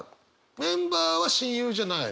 メンバーは親友じゃないの？